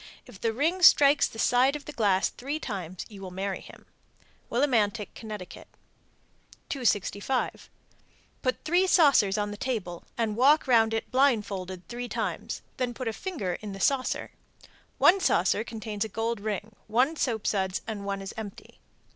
If the ring strikes the side of the glass three times you will marry him. Willimantic, Conn. 265. Put three saucers on the table, and walk round it blindfolded three times, then put a finger in a saucer. One saucer contains a gold ring, one soapsuds, one is empty.